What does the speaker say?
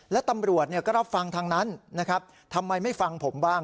และตำรวจก็รับฟังทางนั้นนะครับทำไมไม่ฟังผมบ้าง